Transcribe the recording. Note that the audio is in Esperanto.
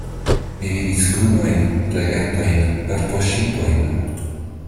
Mi vidis skunojn, fregatojn, vaporŝipojn.